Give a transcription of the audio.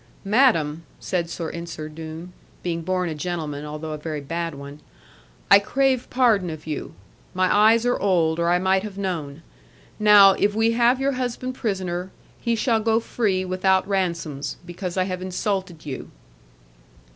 'Madam,' said Sir Ensor Doone being born a gentleman, although a very bad one 'I crave pardon of you. My eyes are old, or I might have known. Now, if we have your husband prisoner, he shall go free without ransoms, because I have insulted you.'